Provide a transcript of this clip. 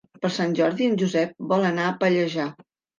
Per Sant Jordi en Josep vol anar a Pallejà.